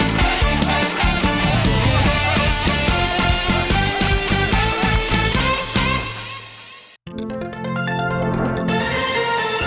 มหาสนุกในวันศุกร์ถัดไป